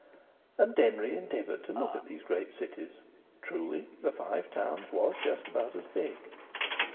And Denry endeavoured to look at these great cities! Truly the Five Towns was just about as big.